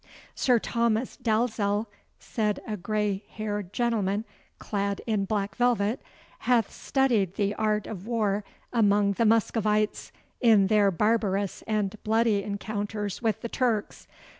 'Sir Thomas Dalzell,' said a grey haired gentleman, clad in black velvet, 'hath studied the art of war among the Muscovites, in their barbarous and bloody encounters with the Turks.